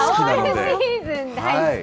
オールシーズン大好き。